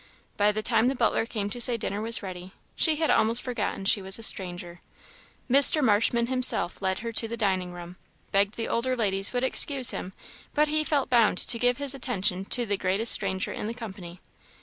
By the time the butler came to say dinner was ready, she had almost forgotten she was a stranger. Mr. Marshman himself led her to the dining room, begged the elder ladies would excuse him, but he felt bound to give his attention to the greatest stranger in the company.